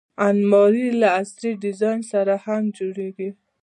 الماري له عصري ډیزاین سره هم جوړیږي